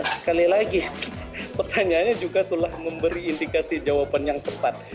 jadi saya ingin memberikan jawaban yang tepat